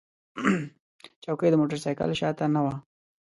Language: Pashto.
چوکۍ د موټر سایکل شا ته نه وي.